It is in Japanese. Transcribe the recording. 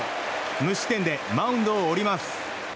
無失点でマウンドを降ります。